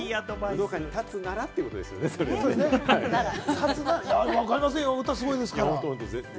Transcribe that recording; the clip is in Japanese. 武道館に立つならってことでわかりませんよ、歌すごいですから。